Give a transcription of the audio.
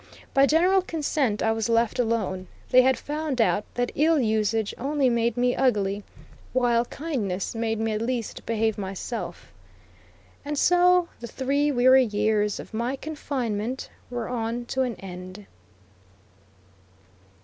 By general consent I was let alone. They had found out that ill usage only made me "ugly," while kindness made me at least behave myself. And so the three weary years of my confinement were on to an end.